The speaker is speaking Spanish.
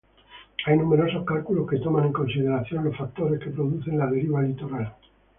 Hay numerosos cálculos que toman en consideración los factores que producen la deriva litoral.